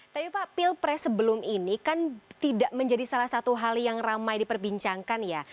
tapi pak pilpres sebelum ini kan tidak menjadi salah satu hal yang ramai diperbincangkan ya